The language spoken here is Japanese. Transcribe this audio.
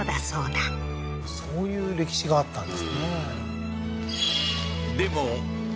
そういう歴史があったんですね